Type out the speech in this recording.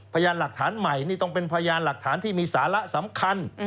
พยานหลักฐานใหม่นี่ต้องเป็นพยานหลักฐานที่มีสาระสำคัญ